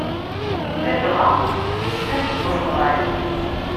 Ladɣa deg wussan n uzɣal.